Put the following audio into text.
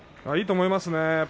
いいと思いますね。